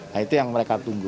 nah itu yang mereka tunggu